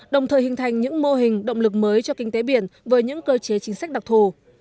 đồng thời hình thành những mô hình động lực mới cho kinh tế biển với những cơ chế chính sách đặc thù